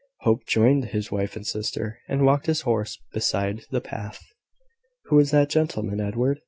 Hope joined his wife and sister, and walked his horse beside the path. "Who is that gentleman, Edward?"